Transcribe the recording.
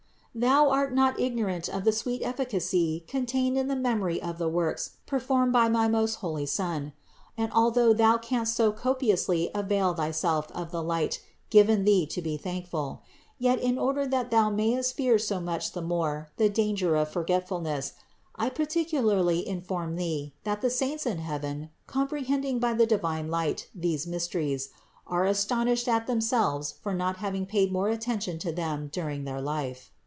539. Thou art not ignorant of the sweet efficacy con tained in the memory of the works performed by my most holy Son : and although thou canst so copiously avail thyself of the light given thee to be thankful : yet, in order that thou mayest fear so much the more the danger of forgetfulness, I particularly inform thee that the saints in heaven, comprehending by the divine light these mysteries, are astonished at themselves for not having paid more attention to them during their life.